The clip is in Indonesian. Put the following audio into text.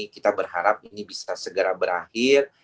kita berharap ini bisa segera berakhir